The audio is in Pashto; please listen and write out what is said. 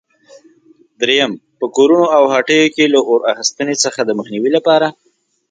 درېیم: په کورونو او هټیو کې له اور اخیستنې څخه د مخنیوي لپاره؟